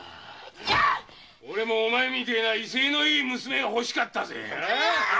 おれもお前みてえな威勢のいい娘が欲しかったぜ。